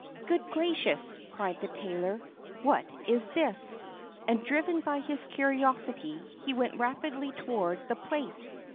"Good gracious!" cried the tailor, "what is this?" and driven by his curiosity, he went rapidly toward the place.